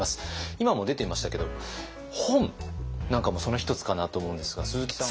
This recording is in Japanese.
今も出ていましたけど本なんかもその一つかなと思うんですが鈴木さん